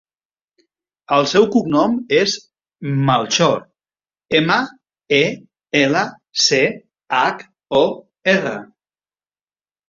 El seu cognom és Melchor: ema, e, ela, ce, hac, o, erra.